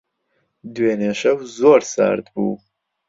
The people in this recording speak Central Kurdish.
دوێنێ شەو زۆر سارد بوو.